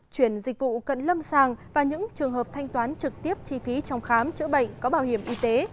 chuyển dịch vụ cận lâm sàng và những trường hợp thanh toán trực tiếp chi phí trong khám chữa bệnh có bảo hiểm y tế